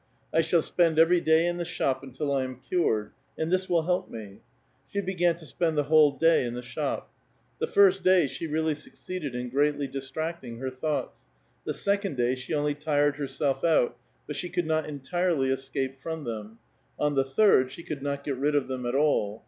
" I shall pend every d&y in the shop until I am cured, and this will olp me." She began to spend the whole day in the shop. he iirst day she really succeeded in greatly distracting her ^liougbts ; the second day she only tired herself out, but she ould not entirely escape from them ; on the third she could ot get rid of them at all.